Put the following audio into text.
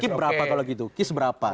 kip berapa kalau gitu kis berapa